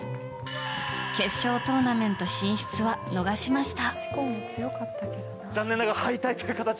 決勝トーナメント進出は逃しました。